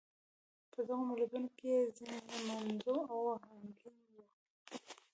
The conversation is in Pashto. په دغو متلونو کې يې ځينې منظوم او اهنګين وو.